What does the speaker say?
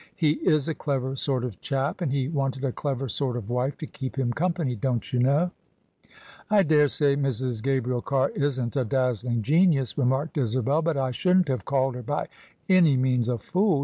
" He is a clever sort of chap, and he wanted a clever sort of wife to keep him company, don't you know? "" I daresay Mrs. Gabriel Carr isn't a dazzling genius," remarked Isabel, " but I shouldn't have called her by any means a fool.